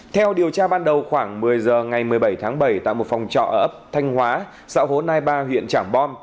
theo điều tra ban đầu khoảng một mươi giờ ngày một mươi bảy tháng bảy tại một phòng trọ ở ấp thanh hóa xã hồ nai ba huyện trảng bom